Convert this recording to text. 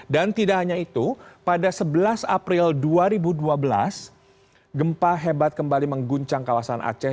dan tidak hanya itu pada sebelas april dua ribu dua belas gempa hebat kembali mengguncang kawasan aceh